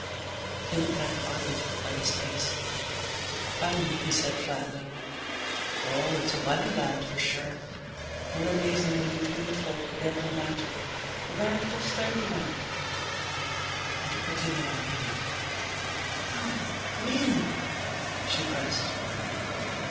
He looked at her oddly for quite a space. Finally, he said flatly, "Oh, it's a wonderland for sure, more amazing than you tombed folk could ever imagine. A veritable fairyland." And he quickly went on eating. "No, but really," she pressed.